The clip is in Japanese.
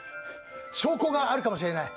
証拠があるかもしれない。